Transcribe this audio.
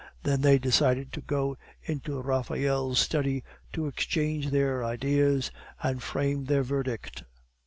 Then they decided to go into Raphael's study to exchange their ideas and frame their verdict.